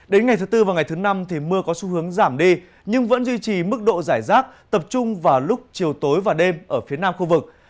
đến ngày thứ tư và ngày thứ năm thì mưa có xu hướng giảm đi nhưng vẫn duy trì mức độ giải rác tập trung vào lúc chiều tối và đêm ở phía nam khu vực